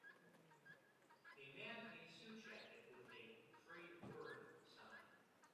A man in a suit jacket with a ” free word ” sign.